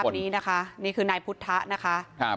คนนี้นะคะนี่คือนายพุทธะนะคะ